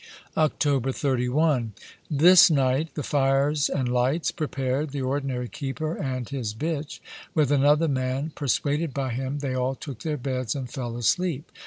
October 31. This night, the fires and lights prepared, the ordinary keeper and his bitch, with another man perswaded by him, they all took their beds and fell asleep.